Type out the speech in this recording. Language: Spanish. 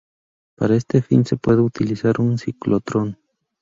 Para este fin se puede utilizar un ciclotrón.